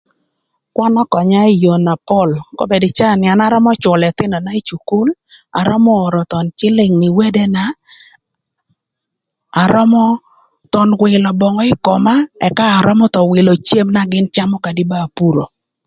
Kwan ökönya ï yoo na pol kobedini ï caa ni an arömö cülö ëthïnöna ï cukul arömö oro thon cïlïng ni wadena arömö thon wïlö böngü ï koma ëka arömö thon wïlö cem na gïn camö kadï ba apuro.